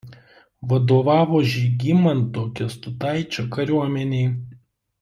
Vadovavo Žygimanto Kęstutaičio Kariuomenei.